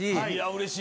うれしい。